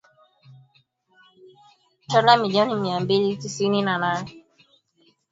dola milioni mia mbili tisini na nane zilizotengwa ili kuimarisha bei na kumaliza mgogoro huo